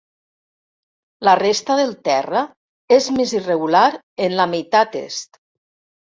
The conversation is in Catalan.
La resta del terra és més irregular en la meitat est.